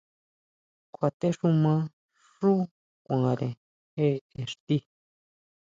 Kjuatexuma xú kuanʼre je ixti.